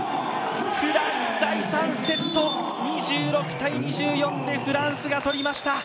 第３セット２６−２４でフランスが取りました。